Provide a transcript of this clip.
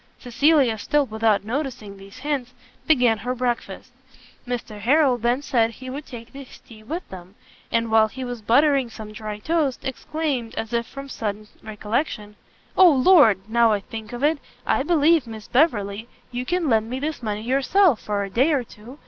Cecilia, still without noticing these hints, began her breakfast. Mr Harrel then said he would take his tea with them: and, while he was buttering some dry toast, exclaimed, as if from sudden recollection, "O Lord, now I think of it, I believe, Miss Beverley, you can lend me this money yourself for a day or two.